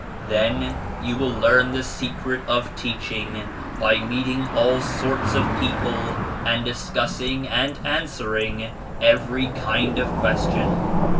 Then you will learn the secret of teaching by meeting all sorts of people and discussing and answering every kind of question.